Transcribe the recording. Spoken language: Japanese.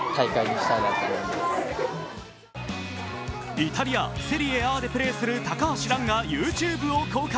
イタリア・セリエＡでプレーする高橋藍がＹｏｕＴｕｂｅを公開。